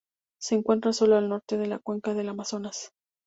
Se encuentra solo al norte de la cuenca del Amazonas.